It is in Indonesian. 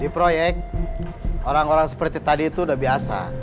di proyek orang orang seperti tadi itu sudah biasa